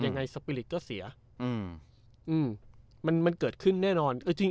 ยังไงสปีริตก็เสียอืมอืมมันมันเกิดขึ้นแน่นอนเออจริง